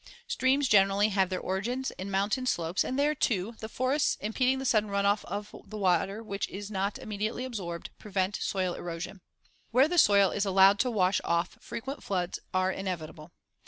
Streams generally have their origins in mountain slopes and there, too, the forests, impeding the sudden run off of the water which is not immediately absorbed, prevent soil erosion. [Illustration: FIG. 128. Flood in Pittsburgh, Pa.] Where the soil is allowed to wash off, frequent floods are inevitable.